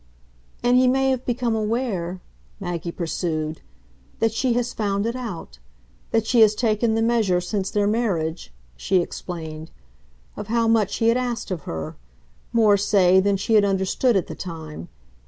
"And he may have become aware," Maggie pursued, "that she has found it out. That she has taken the measure, since their marriage," she explained, "of how much he had asked of her more, say, than she had understood at the time.